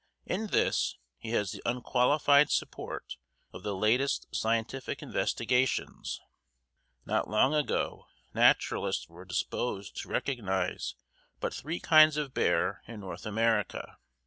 In this he has the unqualified support of the latest scientific investigations. Not long ago naturalists were disposed to recognize but three kinds of bear in North America.